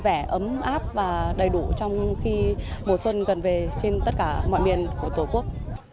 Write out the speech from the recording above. vẻ ấm áp và đầy đủ trong khi mùa xuân gần về trên tất cả mọi miền của tổ quốc